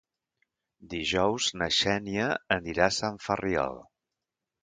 Dijous na Xènia anirà a Sant Ferriol.